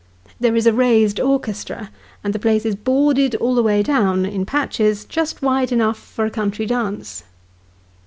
There is a raised orchestra, and the place is boarded all the way down, in patches, just wide enough for a country dance.